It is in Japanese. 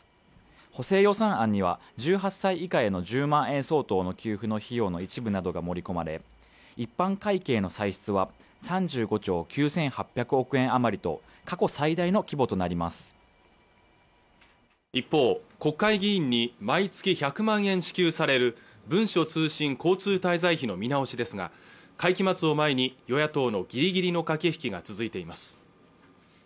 補正予算案には１８歳以下への１０万円相当の給付の費用の一部などが盛り込まれ一般会計の歳出は３５兆９８００億円余りと過去最大の規模となります一方国会議員に毎月１００万円支給される文書通信交通滞在費の見直しですが会期末を前に与野党のぎりぎりの駆け引きが続いています